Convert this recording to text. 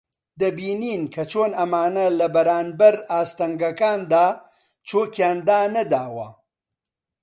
دەبینین کە چۆن ئەمانە لە بەرانبەر ئاستەنگەکاندا چۆکیان دانەداوە